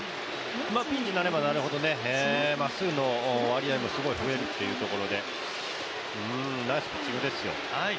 ピンチになればなるほどまっすぐの割合もすごい増えるっていうところでナイスピッチングですよ。